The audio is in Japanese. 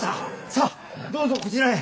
さあどうぞこちらへ。